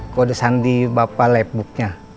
kode sandi bapak labbooknya